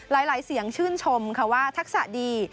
หลายเสียงชื่นชมค่ะว่าทักษะดี